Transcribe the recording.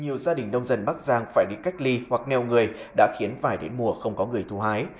nhiều gia đình nông dân bắc giang phải đi cách ly hoặc neo người đã khiến vải đến mùa không có người thu hái